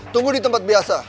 tunggu di tempat biasa